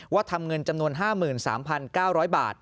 ทำเงินจำนวน๕๓๙๐๐บาท